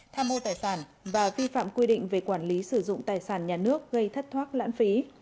tham mô tài sản và vi phạm quy định về quản lý sử dụng tài sản nhà nước gây thất thoát lãng phí